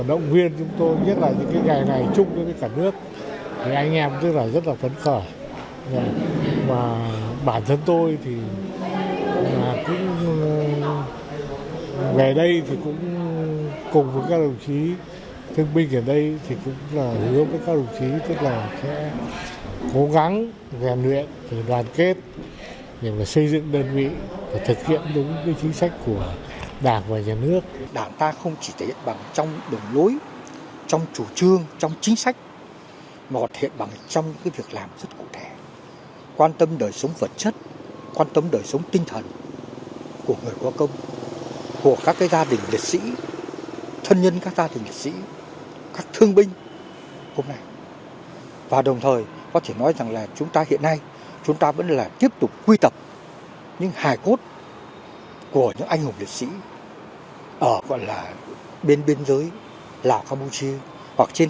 động viên chúng tôi nhất là những ngày này chung với cả nước thì anh em tôi rất là phấn khởi mà bản thân tôi thì cũng rất là tự nhiên bản thân tôi cũng rất là tự nhiên bản thân tôi cũng rất là tự nhiên